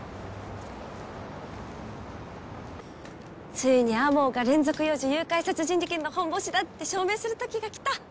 ついに天羽が連続幼女誘拐殺人事件のホンボシだって証明する時が来た！